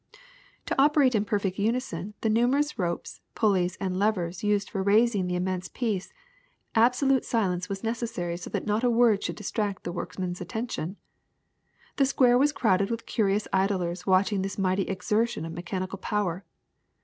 *^To operate in perfect unison the numerous ropes, pulleys, and levers used for raising the immense piece, absolute silence was necessary so that not a word should distract the workmen's attention. The square was crowded with curious idlers watching this mighty exertion of mechanical power.